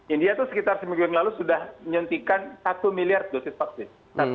india itu sekitar seminggu yang lalu sudah menyuntikan satu miliar dosis vaksin